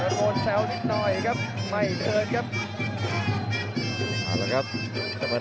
มันโวยกลับไปกับฉ์นายน